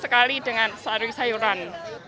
sekali dengan sayuran